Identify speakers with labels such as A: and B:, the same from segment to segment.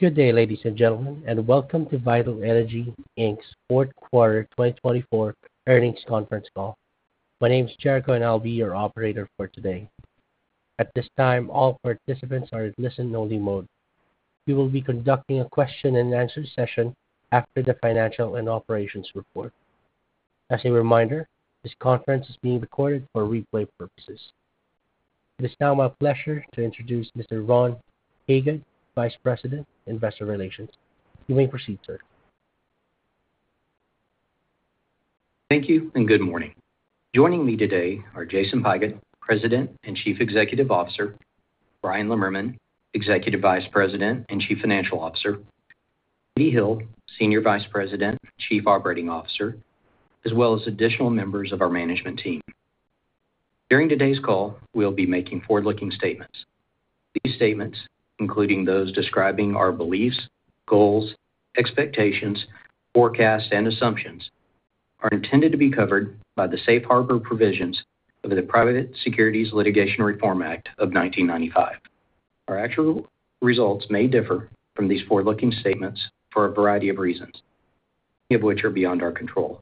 A: Good day, ladies and gentlemen, and welcome to Vital Energy Inc's Q4 2024 earnings conference call. My name is Jericho, and I'll be your operator for today. At this time, all participants are in listen-only mode. We will be conducting a question-and-answer session after the financial and operations report. As a reminder, this conference is being recorded for replay purposes. It is now my pleasure to introduce Mr. Ron Hagood, Vice President, Investor Relations. You may proceed, sir.
B: Thank you, and good morning. Joining me today are Jason Pigott, President and Chief Executive Officer, Bryan Lemmerman, Executive Vice President and Chief Financial Officer, Katie Hill, Senior Vice President and Chief Operating Officer, as well as additional members of our management team. During today's call, we'll be making forward-looking statements. These statements, including those describing our beliefs, goals, expectations, forecasts, and assumptions, are intended to be covered by the safe harbor provisions of the Private Securities Litigation Reform Act of 1995. Our actual results may differ from these forward-looking statements for a variety of reasons, many of which are beyond our control.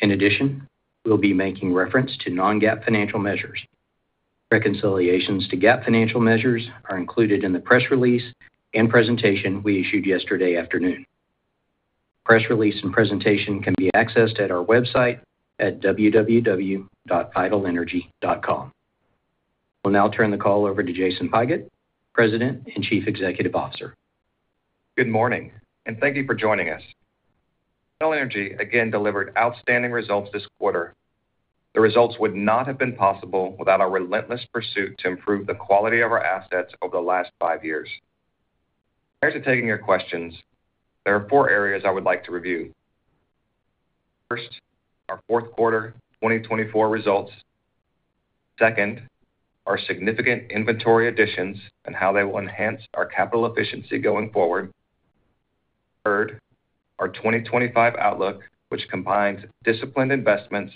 B: In addition, we'll be making reference to non-GAAP financial measures. Reconciliations to GAAP financial measures are included in the press release and presentation we issued yesterday afternoon. Press release and presentation can be accessed at our website at www.vitalenergy.com. We'll now turn the call over to Jason Pigott, President and Chief Executive Officer.
C: Good morning, and thank you for joining us. Vital Energy again delivered outstanding results this quarter. The results would not have been possible without our relentless pursuit to improve the quality of our assets over the last five years. Prior to taking your questions, there are four areas I would like to review. First, our Q4 2024 results. Second, our significant inventory additions and how they will enhance our capital efficiency going forward. Third, our 2025 outlook, which combines disciplined investments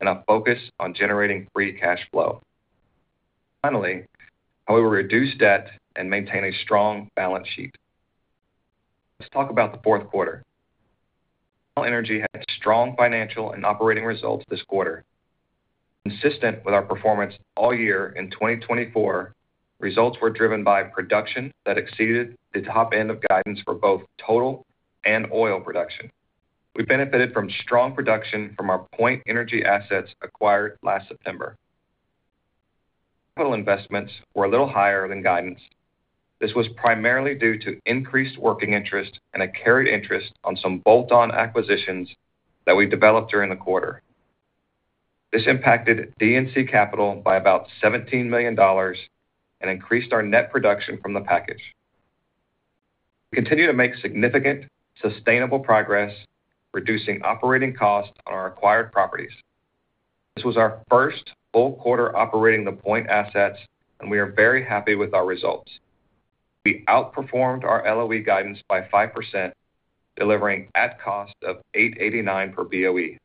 C: and a focus on generating free cash flow. Finally, how we will reduce debt and maintain a strong balance sheet. Let's talk about the Q4. Vital Energy had strong financial and operating results this quarter. Consistent with our performance all year in 2024, results were driven by production that exceeded the top end of guidance for both total and oil production. We benefited from strong production from our Point Energy assets acquired last September. Capital investments were a little higher than guidance. This was primarily due to increased working interest and a carried interest on some bolt-on acquisitions that we developed during the quarter. This impacted D&C capital by about $17 million and increased our net production from the package. We continue to make significant, sustainable progress, reducing operating costs on our acquired properties. This was our first full quarter operating the Point Energy assets, and we are very happy with our results. We outperformed our LOE guidance by 5%, delivering at cost of $889 per BOE.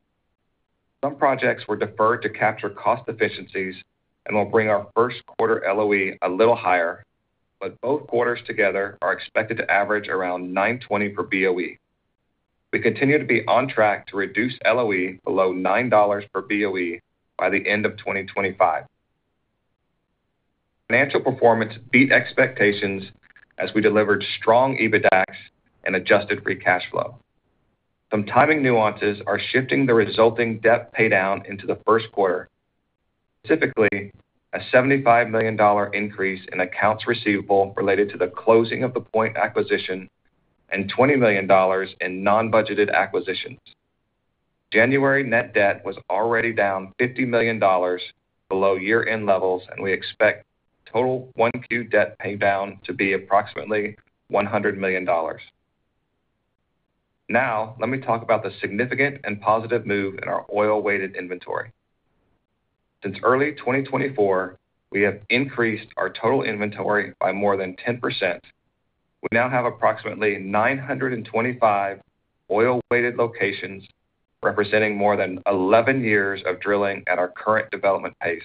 C: Some projects were deferred to capture cost efficiencies and will bring our Q1 LOE a little higher, but both quarters together are expected to average around $920 per BOE. We continue to be on track to reduce LOE below $9 per BOE by the end of 2025. Financial performance beat expectations as we delivered strong EBITDA and adjusted free cash flow. Some timing nuances are shifting the resulting debt paydown into the Q1, specifically a $75 million increase in accounts receivable related to the closing of the Point acquisition and $20 million in non-budgeted acquisitions. January net debt was already down $50 million below year-end levels, and we expect total Q1 debt paydown to be approximately $100 million. Now, let me talk about the significant and positive move in our oil-weighted inventory. Since early 2024, we have increased our total inventory by more than 10%. We now have approximately 925 oil-weighted locations, representing more than 11 years of drilling at our current development pace.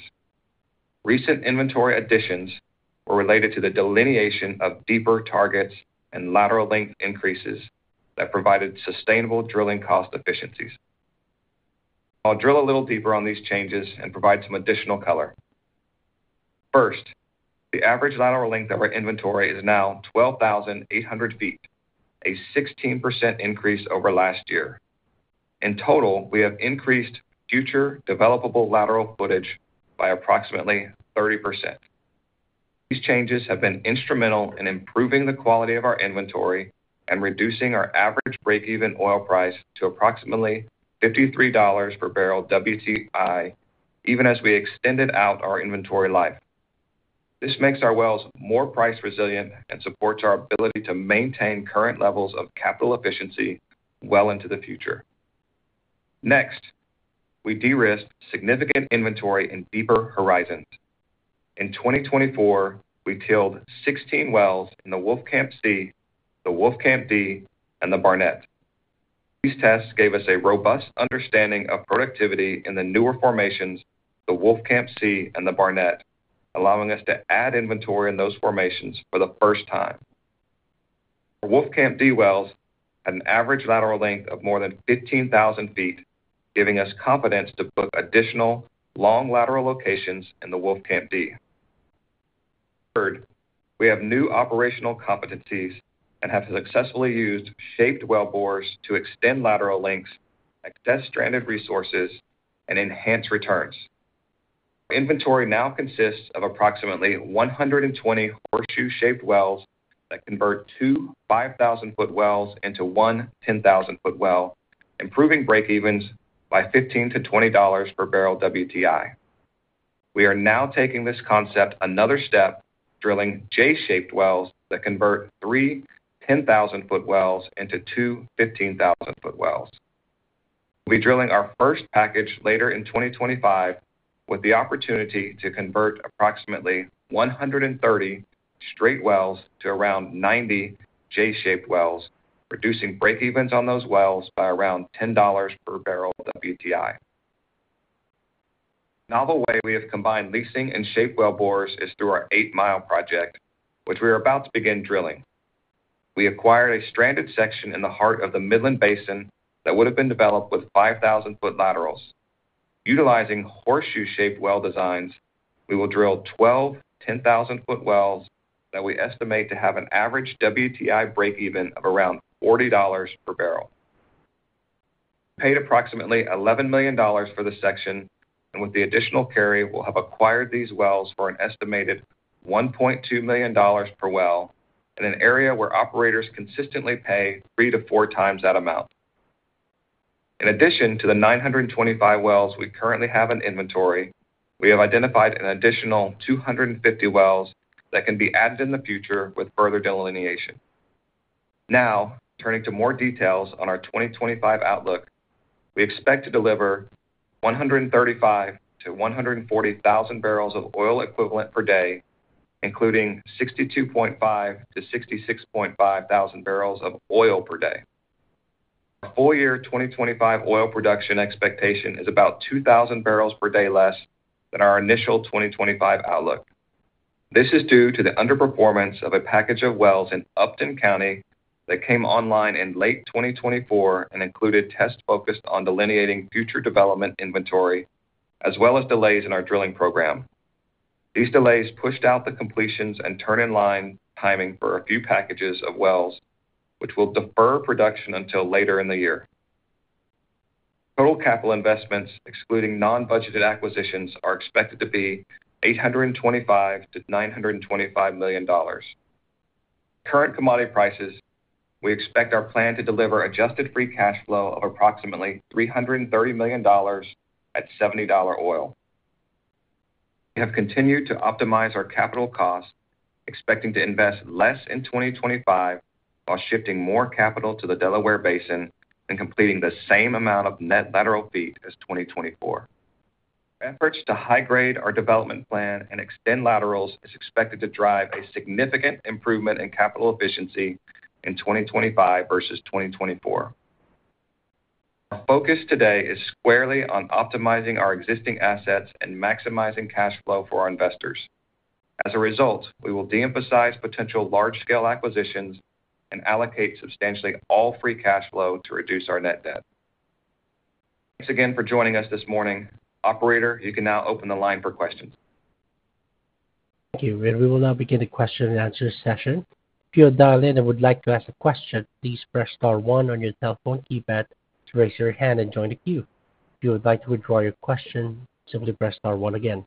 C: Recent inventory additions were related to the delineation of deeper targets and lateral length increases that provided sustainable drilling cost efficiencies. I'll drill a little deeper on these changes and provide some additional color. First, the average lateral length of our inventory is now 12,800 feet, a 16% increase over last year. In total, we have increased future developable lateral footage by approximately 30%. These changes have been instrumental in improving the quality of our inventory and reducing our average breakeven oil price to approximately $53 per barrel WTI, even as we extended out our inventory life. This makes our wells more price resilient and supports our ability to maintain current levels of capital efficiency well into the future. Next, we de-risked significant inventory in deeper horizons. In 2024, we drilled 16 wells in the Wolfcamp C, the Wolfcamp D, and the Barnett. These tests gave us a robust understanding of productivity in the newer formations, the Wolfcamp C and the Barnett, allowing us to add inventory in those formations for the first time. The Wolfcamp D wells had an average lateral length of more than 15,000 feet, giving us confidence to book additional long lateral locations in the Wolfcamp D. Third, we have new operational competencies and have successfully used shaped well bores to extend lateral lengths, access stranded resources, and enhance returns. Our inventory now consists of approximately 120 horseshoe-shaped wells that convert two 5,000-foot wells into one 10,000-foot well, improving breakevens by $15 to 20 per barrel WTI. We are now taking this concept another step, drilling J-shaped wells that convert three 10,000-foot wells into two 15,000-foot wells. We'll be drilling our first package later in 2025, with the opportunity to convert approximately 130 straight wells to around 90 J-shaped wells, reducing breakeven on those wells by around $10 per barrel WTI. A novel way we have combined leasing and shaped wellbores is through our 8-Mile project, which we are about to begin drilling. We acquired a stranded section in the heart of the Midland Basin that would have been developed with 5,000-foot laterals. Utilizing horseshoe-shaped well designs, we will drill 12 10,000-foot wells that we estimate to have an average WTI breakeven of around $40 per barrel. We paid approximately $11 million for the section, and with the additional carry, we'll have acquired these wells for an estimated $1.2 million per well in an area where operators consistently pay three to four times that amount. In addition to the 925 wells we currently have in inventory, we have identified an additional 250 wells that can be added in the future with further delineation. Now, turning to more details on our 2025 outlook, we expect to deliver 135,000 to 140,000 barrels of oil equivalent per day, including 62,5000 to 66,5000 barrels of oil per day. Our full-year 2025 oil production expectation is about 2,000 barrels per day less than our initial 2025 outlook. This is due to the underperformance of a package of wells in Upton County that came online in late 2024 and included tests focused on delineating future development inventory, as well as delays in our drilling program. These delays pushed out the completions and turn-in line timing for a few packages of wells, which will defer production until later in the year. Total capital investments, excluding non-budgeted acquisitions, are expected to be $825 million to 925 million. Current commodity prices. We expect our plan to deliver adjusted free cash flow of approximately $330 million at $70 oil. We have continued to optimize our capital costs, expecting to invest less in 2025 while shifting more capital to the Delaware Basin and completing the same amount of net lateral feet as 2024. Our efforts to high-grade our development plan and extend laterals are expected to drive a significant improvement in capital efficiency in 2025 versus 2024. Our focus today is squarely on optimizing our existing assets and maximizing cash flow for our investors. As a result, we will de-emphasize potential large-scale acquisitions and allocate substantially all free cash flow to reduce our net debt. Thanks again for joining us this morning. Operator, you can now open the line for questions.
A: Thank you. We will now begin the question-and-answer session. If you are dialed in and would like to ask a question, please press star one on your telephone keypad to raise your hand and join the queue. If you would like to withdraw your question, simply press star one again.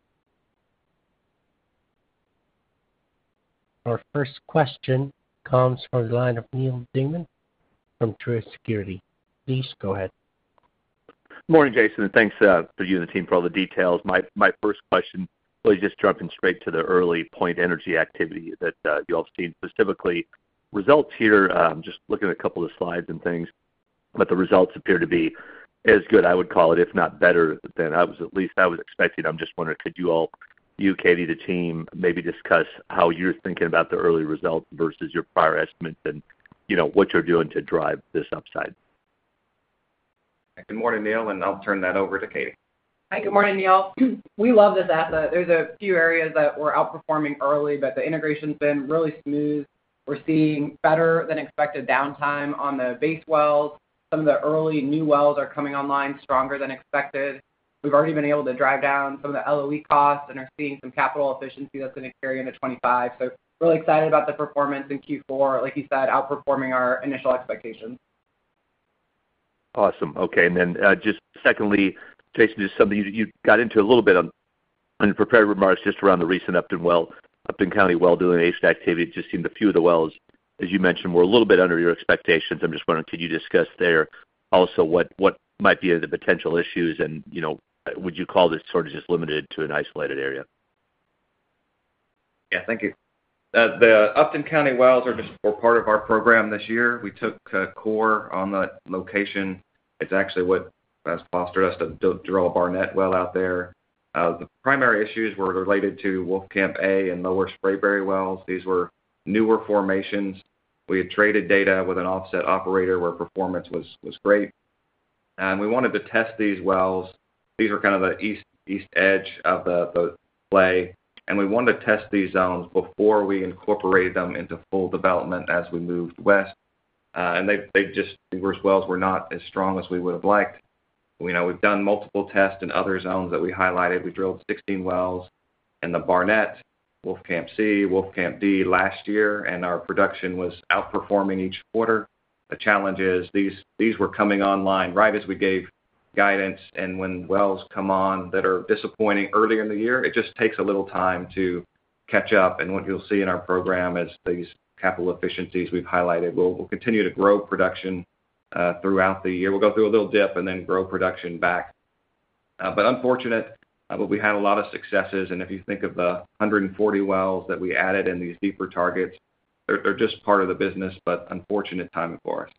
A: Our first question comes from the line of Neal Dingmann from Truist Securities. Please go ahead.
D: Good morning, Jason. Thanks to you and the team for all the details. My first question, really just jumping straight to the Point Energy activity that you all have seen. Specifically, results here, just looking at a couple of the slides and things, but the results appear to be as good, I would call it, if not better than I was at least expecting. I'm just wondering, could you all, you, Katie, the team, maybe discuss how you're thinking about the early results versus your prior estimates and what you're doing to drive this upside?
C: Good morning, Neal, and I'll turn that over to Katie.
E: Hi, good morning, Neal. We love this asset. There's a few areas that were outperforming early, but the integration has been really smooth. We're seeing better-than-expected downtime on the base wells. Some of the early new wells are coming online stronger than expected. We've already been able to drive down some of the LOE costs and are seeing some capital efficiency that's going to carry into 2025. Really excited about the performance in Q4, like you said, outperforming our initial expectations.
D: Awesome. Okay. And then just secondly, Jason, just something you got into a little bit on the prepared remarks just around the recent Upton County well-delineation activity. It just seemed a few of the wells, as you mentioned, were a little bit under your expectations. I'm just wondering, could you discuss there also what might be the potential issues, and would you call this sort of just limited to an isolated area?
C: Yeah, thank you. The Upton County wells were part of our program this year. We took core on the location. It's actually what has fostered us to drill a Barnett well out there. The primary issues were related to Wolfcamp A and Lower Spraberry wells. These were newer formations. We had traded data with an offset operator where performance was great. And we wanted to test these wells. These were kind of the east edge of the play. And we wanted to test these zones before we incorporated them into full development as we moved west. And they just, these wells were not as strong as we would have liked. We've done multiple tests in other zones that we highlighted. We drilled 16 wells in the Barnett, Wolfcamp C, Wolfcamp D last year, and our production was outperforming each quarter. The challenge is these were coming online right as we gave guidance, and when wells come on that are disappointing earlier in the year, it just takes a little time to catch up. And what you'll see in our program is these capital efficiencies we've highlighted. We'll continue to grow production throughout the year. We'll go through a little dip and then grow production back. But unfortunate, we had a lot of successes. And if you think of the 140 wells that we added in these deeper targets, they're just part of the business, but unfortunate timing for us.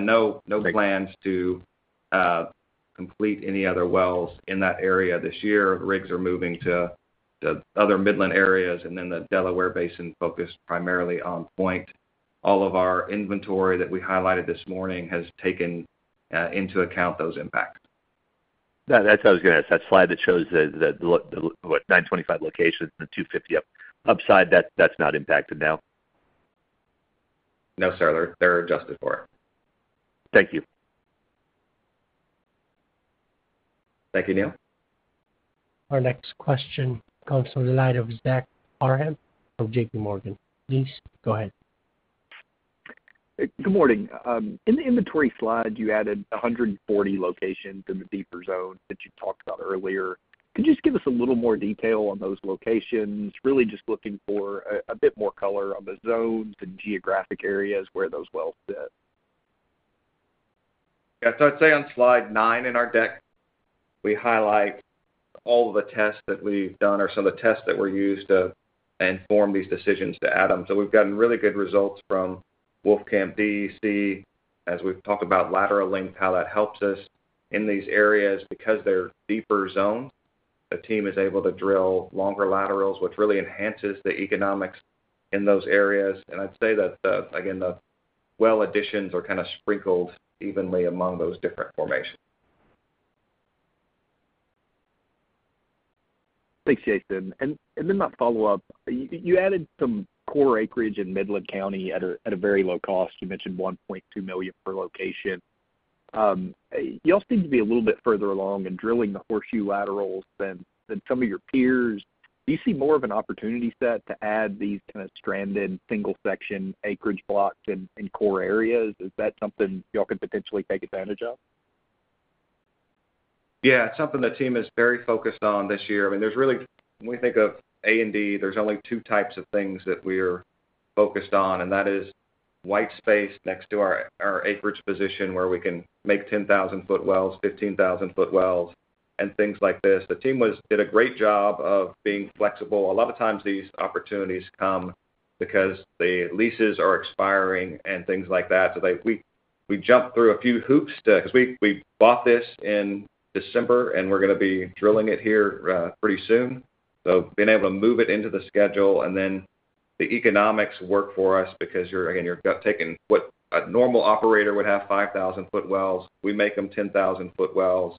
C: No plans to complete any other wells in that area this year. The rigs are moving to other Midland areas, and then the Delaware Basin focused primarily on Point. All of our inventory that we highlighted this morning has taken into account those impacts.
D: That's what I was going to ask. That slide that shows the 925 locations and the 250 upside, that's not impacted now?
C: No, sir. They're adjusted for it.
D: Thank you.
C: Thank you, Neal.
A: Our next question comes from the line of Zach Parham from J.P. Morgan. Please go ahead.
F: Good morning. In the inventory slide, you added 140 locations in the deeper zone that you talked about earlier. Could you just give us a little more detail on those locations, really just looking for a bit more color on the zones and geographic areas where those wells sit?
C: Yeah. So, I'd say on slide nine in our deck, we highlight all of the tests that we've done or some of the tests that were used to inform these decisions to add them. So, we've gotten really good results from Wolfcamp D, Wolfcamp C, as we've talked about lateral length, how that helps us in these areas. Because they're deeper zones, the team is able to drill longer laterals, which really enhances the economics in those areas. And I'd say that, again, the well additions are kind of sprinkled evenly among those different formations.
F: Thanks, Jason. And then that follow-up, you added some core acreage in Midland County at a very low cost. You mentioned $1.2 million per location. You all seem to be a little bit further along in drilling the horseshoe laterals than some of your peers. Do you see more of an opportunity set to add these kind of stranded single-section acreage blocks in core areas? Is that something y'all could potentially take advantage of?
C: Yeah. It's something the team is very focused on this year. I mean, there's really, when we think of A&D, there's only two types of things that we are focused on, and that is white space next to our acreage position where we can make 10,000-foot wells, 15,000-foot wells, and things like this. The team did a great job of being flexible. A lot of times these opportunities come because the leases are expiring and things like that. So we jumped through a few hoops because we bought this in December, and we're going to be drilling it here pretty soon. So being able to move it into the schedule and then the economics work for us because, again, you're taking what a normal operator would have 5,000-foot wells. We make them 10,000-foot wells.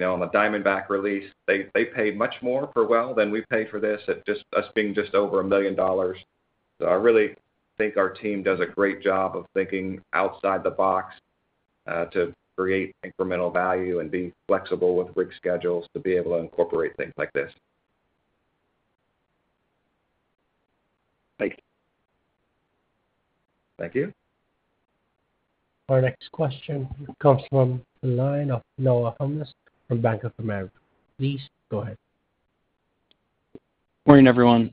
C: On the Diamondback release, they paid much more per well than we paid for this, just us being just over $1 million. So I really think our team does a great job of thinking outside the box to create incremental value and be flexible with rig schedules to be able to incorporate things like this.
F: Thank you.
C: Thank you.
A: Our next question comes from the line of Noah Hungness from Bank of America. Please go ahead.
G: Good morning, everyone.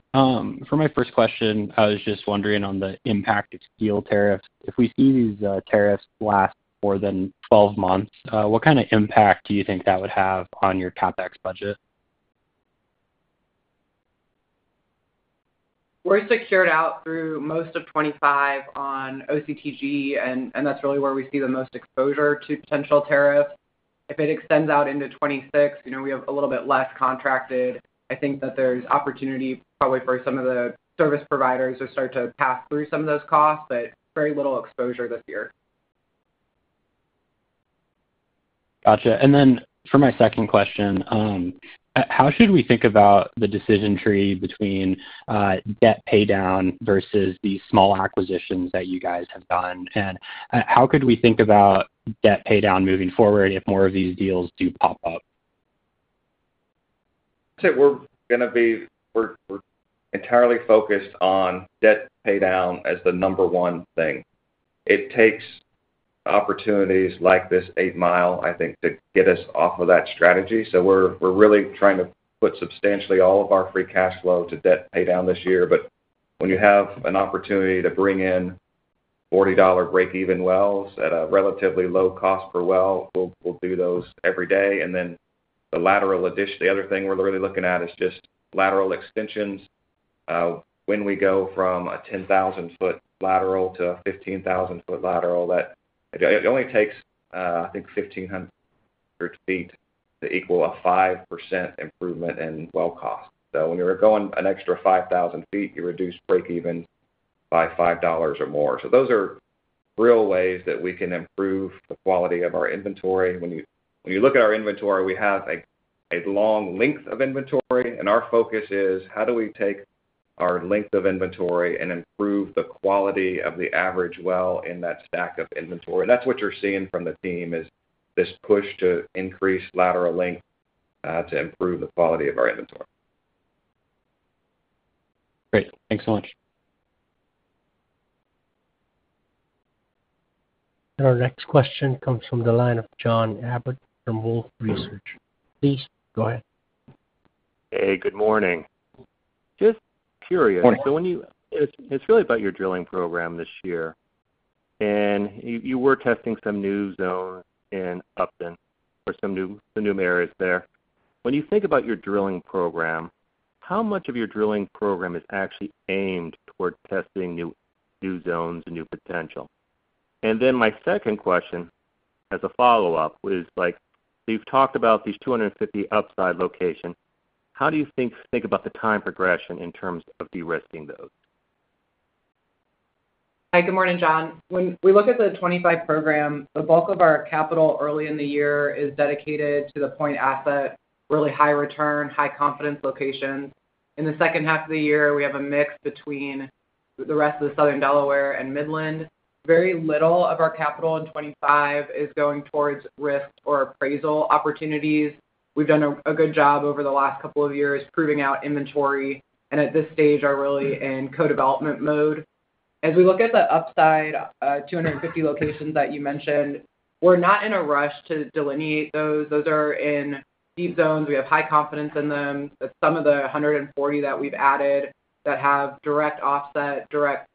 G: For my first question, I was just wondering on the impact of steel tariffs. If we see these tariffs last more than 12 months, what kind of impact do you think that would have on your CAPEX budget?
E: We're secured out through most of 2025 on OCTG, and that's really where we see the most exposure to potential tariffs. If it extends out into 2026, we have a little bit less contracted. I think that there's opportunity probably for some of the service providers to start to pass through some of those costs, but very little exposure this year.
G: Gotcha. And then for my second question, how should we think about the decision tree between debt paydown versus the small acquisitions that you guys have done? And how could we think about debt paydown moving forward if more of these deals do pop up?
C: I'd say we're going to be entirely focused on debt paydown as the number one thing. It takes opportunities like this eight-mile, I think, to get us off of that strategy. So, we're really trying to put substantially all of our free cash flow to debt paydown this year. But when you have an opportunity to bring in $40 breakeven wells at a relatively low cost per well, we'll do those every day. And then the lateral addition, the other thing we're really looking at is just lateral extensions. When we go from a 10,000-foot lateral to a 15,000-foot lateral, it only takes, I think, 1,500 feet to equal a 5% improvement in well cost. So, when you're going an extra 5,000 feet, you reduce breakevens by $5 or more. So those are real ways that we can improve the quality of our inventory. When you look at our inventory, we have a long length of inventory, and our focus is how do we take our length of inventory and improve the quality of the average well in that stack of inventory, and that's what you're seeing from the team, is this push to increase lateral length to improve the quality of our inventory.
G: Great. Thanks so much.
A: Our next question comes from the line of John Abbott from Wolfe Research. Please go ahead.
H: Hey, good morning. Just curious. So, it's really about your drilling program this year. And you were testing some new zones in Upton or some new areas there. When you think about your drilling program, how much of your drilling program is actually aimed toward testing new zones and new potential? And then my second question as a follow-up is, so you've talked about these 250 upside locations. How do you think about the time progression in terms of de-risking those?
E: Hi, good morning, John. When we look at the 2025 program, the bulk of our capital early in the year is dedicated to the Point asset, really high return, high confidence locations. In the second half of the year, we have a mix between the rest of Southern Delaware and Midland. Very little of our capital in 2025 is going towards risk or appraisal opportunities. We've done a good job over the last couple of years proving out inventory. And at this stage, we are really in co-development mode. As we look at the upside 250 locations that you mentioned, we're not in a rush to delineate those. Those are in deep zones. We have high confidence in them. Some of the 140 that we've added that have direct offset, direct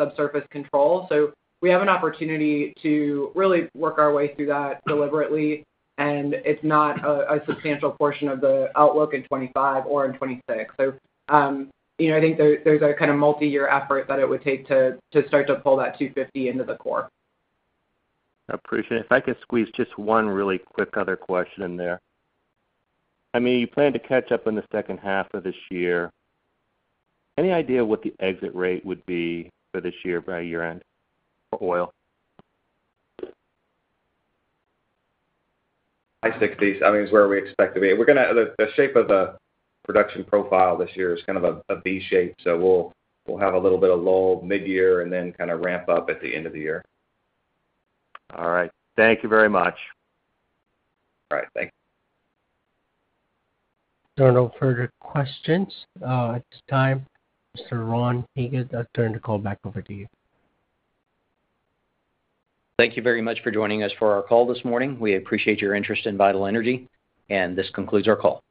E: subsurface control. So, we have an opportunity to really work our way through that deliberately. And it's not a substantial portion of the outlook in 2025 or in 2026. So, I think there's a kind of multi-year effort that it would take to start to pull that 250 into the core.
H: I appreciate it. If I could squeeze just one really quick other question in there. I mean, you plan to catch up in the second half of this year. Any idea what the exit rate would be for this year by year-end for oil?
C: High 60s, I mean, is where we expect to be. The shape of the production profile this year is kind of a V-shape. So, we'll have a little bit of lull mid-year and then kind of ramp up at the end of the year.
H: All right. Thank you very much.
C: All right. Thank you.
A: There are no further questions at this time. Mr. Ron Hagood, I'll turn the call back over to you.
B: Thank you very much for joining us for our call this morning. We appreciate your interest in Vital Energy. This concludes our call.